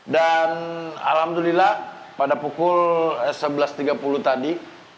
dan alhamdulillah pada pukul sebelas tiga puluh tadi